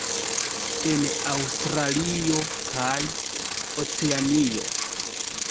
En Aŭstralio kaj Oceanio.